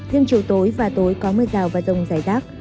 riêng chiều tối và tối có mưa rào và rông dài rác